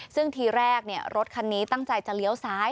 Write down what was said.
ซึ่งทีแรกรถคันนี้ตั้งใจจะเลี้ยวซ้าย